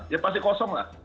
ya pasti kosong lah